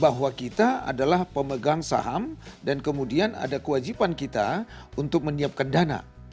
bahwa kita adalah pemegang saham dan kemudian ada kewajiban kita untuk menyiapkan dana